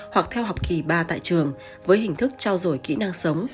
hoặc theo học kỳ ba tại trường với hình thức trao dổi kỹ năng sống